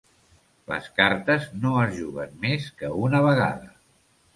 Les cartes no es juguen més que una vegada.